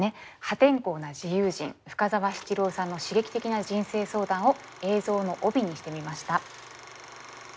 破天荒な自由人深沢七郎さんの刺激的な人生相談を映像の帯にしてみました。